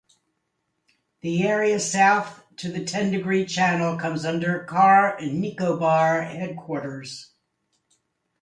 The area south to the Ten-degree channel comes under Car Nicobar headquarters.